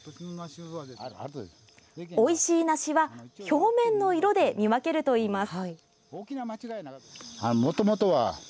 おいしい梨は表面の色で見分けるといいます。